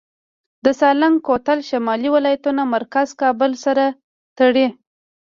د سالنګ کوتل شمالي ولایتونه مرکز کابل سره تړي